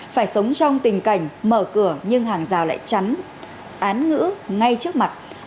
phải sống trong tình cảnh mở cửa nhưng hàng rào lại chắn án ngữ ngay trước mặt